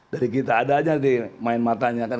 dari kita ada aja di main matanya